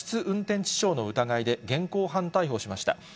運転致傷の疑いで現行犯逮捕しました。